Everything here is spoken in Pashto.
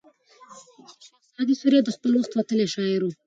شېخ اسعد سوري د خپل وخت وتلى شاعر وو.